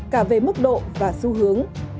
cả về mức độ và xu hướng